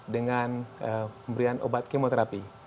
dengan pemberian obat kemoterapi